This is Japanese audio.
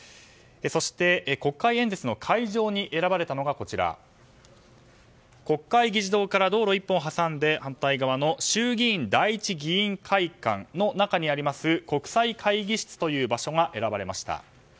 そして、国会演説の会場に選ばれたのが国会議事堂から道路を１本はさんで反対側の衆議院第一議員会館の中にある国際会議室という場所が選ばれました。